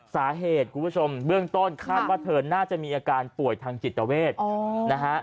คุณผู้ชมเบื้องต้นคาดว่าเธอน่าจะมีอาการป่วยทางจิตเวทนะฮะ